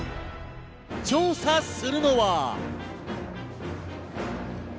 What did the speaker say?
調査するのは。